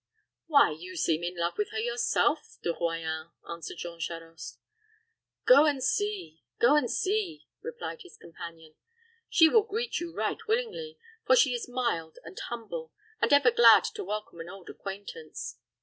"Why, you seem in love with her yourself, De Royans," answered Jean Charost. "Go and see go and see," replied his companion. "She will greet you right willingly; for she is mild and humble, and ever glad to welcome an old acquaintance."